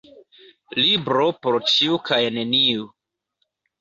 Libro por ĉiu kaj neniu.